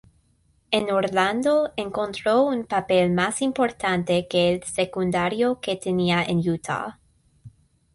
En Orlando encontró un papel más importante que el secundario que tenía en Utah.